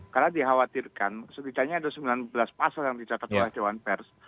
karena dikhawatirkan setidaknya ada sembilan belas pasal yang dicatat oleh dewan pers